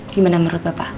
gimana menurut bapak